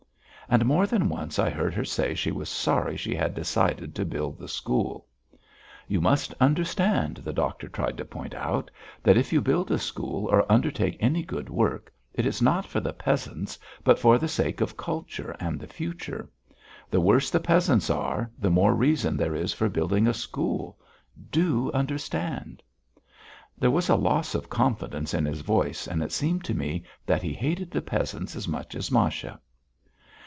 And more than once I heard her say she was sorry she had decided to build the school. "You must understand," the doctor tried to point out, "that if you build a school or undertake any good work, it is not for the peasants, but for the sake of culture and the future. The worse the peasants are the more reason there is for building a school. Do understand!" There was a loss of confidence in his voice, and it seemed to me that he hated the peasants as much as Masha.